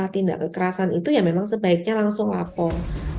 tindak kekerasan itu ya memang sebaiknya langsung lapor